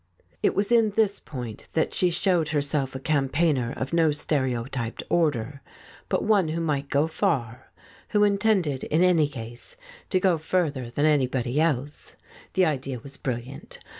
It was in this point that she showed herself a cam paigner of no stereotyped order, but one who might go far, who intended in any case to go further than anybody else. The idea was brilliant.